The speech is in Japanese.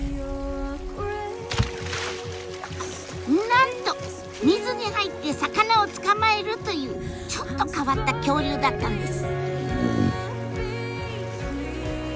なんと水に入って魚を捕まえるというちょっと変わった恐竜だったんです。